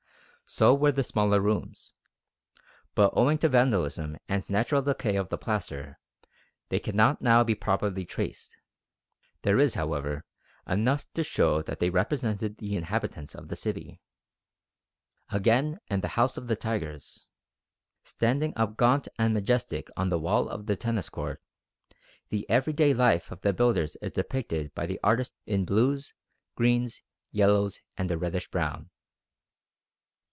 So were the smaller rooms. But owing to vandalism and natural decay of the plaster, they cannot now be properly traced. There is, however, enough to show that they represented the inhabitants of the city. Again, in the House of the Tigers, standing up gaunt and majestic on the wall of the Tennis Court, the everyday life of the builders is depicted by the artist in blues, greens, yellows, and a reddish brown.